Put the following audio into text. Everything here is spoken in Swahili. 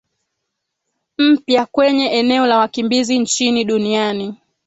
mpya kwenye eneo la wakimbizi nchini duniani